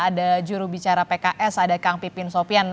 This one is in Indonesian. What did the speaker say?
ada jurubicara pks ada kang pipin sopian